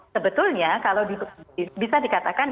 sebetulnya kalau bisa dikatakan